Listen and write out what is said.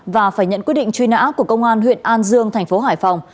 và phải nhận quyết định truy nã của công an huyện an dương thành phố hải phòng